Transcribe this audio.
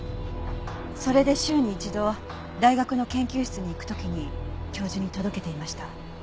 それで週に一度大学の研究室に行く時に教授に届けていました。